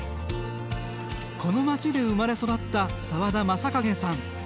この町で生まれ育った澤田成景さん。